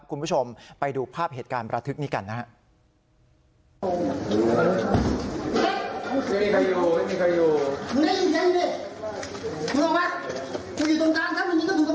คุณผู้ชมไปดูภาพเหตุการณ์ประทึกนี้กันนะครับ